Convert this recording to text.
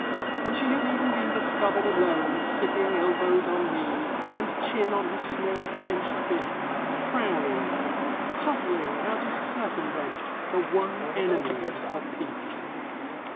And she has even been discovered alone, sitting elbows on knees, and chin on her small clenched fist, frowning at it, puzzling how to circumvent the one enemy of her peace.